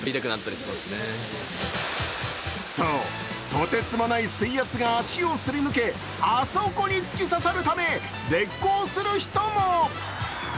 そう、とてつもない水圧が足をすり抜けあそこに突き刺さるため裂肛する人も。